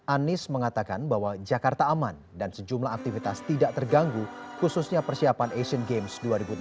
anies mengatakan bahwa jakarta aman dan sejumlah aktivitas tidak terganggu khususnya persiapan asian games dua ribu delapan belas